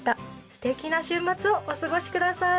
すてきな週末をお過ごしください。